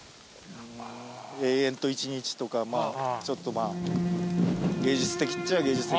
『永遠と一日』とかちょっと芸術的っちゃ芸術的。